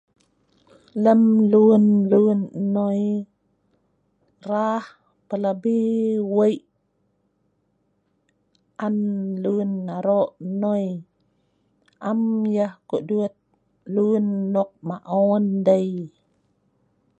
Lem lun luen nnoi, rah pelabi wei an lun aro' nnoi. Am yeh ko'duet lun nok maon dei.